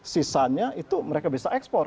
sisanya itu mereka bisa ekspor